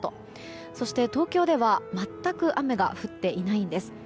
そして、東京では全く雨が降っていないんです。